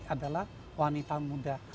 adalah wanita muda